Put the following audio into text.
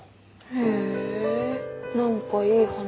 へえ何かいい話。